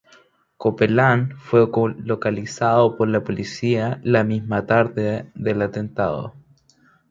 Copeland fue localizado por la policía la misma tarde del atentado.